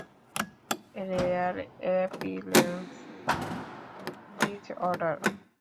Rare epilepsy disorder.